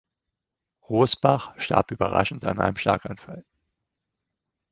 Roßbach starb überraschend an einem Schlaganfall.